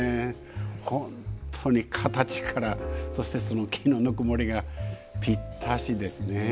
本当に形からそして木のぬくもりがぴったしですね。